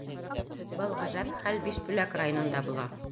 Был ғәжәп хәл Бишбүләк районында була.